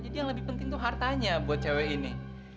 jadi yang lebih penting tuh hartanya buat cewek ini